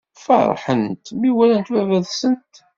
Feṛḥent mi walant baba-tnsent.